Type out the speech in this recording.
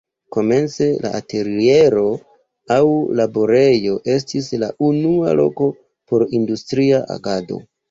Komence la ateliero aŭ laborejo estis la unua loko por industria agado.